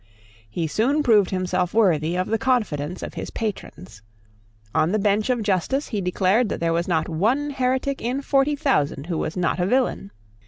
He soon proved himself worthy of the confidence of his patrons. On the bench of justice he declared that there was not one heretic in forty thousand who was not a villain.